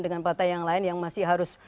dengan partai yang lain yang masih harus